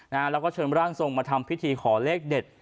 แล้วก็เชิญร่างทรงมาทำพิธีขอเลขเด็ด